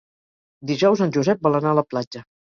Dijous en Josep vol anar a la platja.